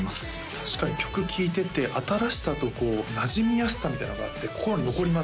確かに曲聴いてて新しさとなじみやすさみたいなのがあって心に残ります